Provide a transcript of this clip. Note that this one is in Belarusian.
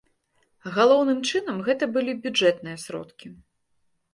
Галоўным чынам гэта былі бюджэтныя сродкі.